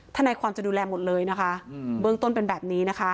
ทนายความจะดูแลหมดเลยนะคะเบื้องต้นเป็นแบบนี้นะคะ